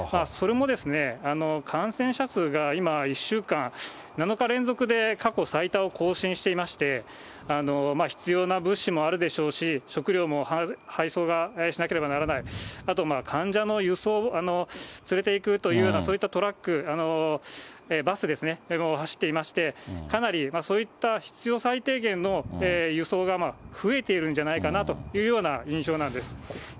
それもですね、感染者数が今、１週間、７日連続で過去最多を更新していまして、必要な物資もあるでしょうし、食料も配送をしなければならない、あと患者の輸送、連れていくというような、そういったトラック、バスですね、それも走っていまして、かなり、そういった必要最低限の輸送が増えているんじゃないかなというような印象なんです。